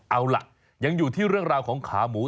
เอาล่ะยังอยู่ที่เรื่องราวของขาหมู